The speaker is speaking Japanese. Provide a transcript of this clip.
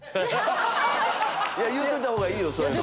言うといた方がいいそういうの。